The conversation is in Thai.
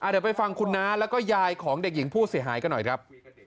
เดี๋ยวไปฟังคุณน้าแล้วก็ยายของเด็กหญิงผู้เสียหายกันหน่อยครับ